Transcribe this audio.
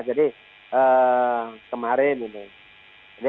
jadi kemarin ini